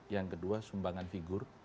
yang kedua sumbangan figur